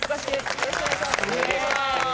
よろしくお願いします。